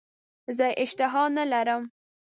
زه اشتها نه لرم .